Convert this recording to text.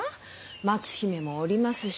松姫もおりますし。